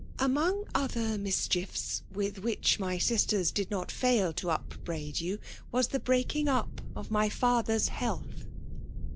Among other mischiefe with which my sisters did not fail to upbraid you, was the breaking up of my father's health.